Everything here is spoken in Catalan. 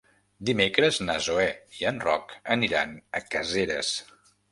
Dimecres na Zoè i en Roc aniran a Caseres.